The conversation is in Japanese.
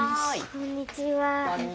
こんにちは。